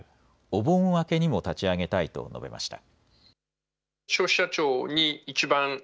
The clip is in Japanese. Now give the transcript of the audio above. お盆明けにも立ち上げたいと述べました。